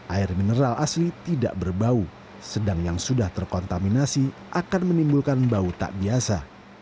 air mineral asli tidak berbau sedang yang sudah terkontaminasi akan menimbulkan bau tak biasa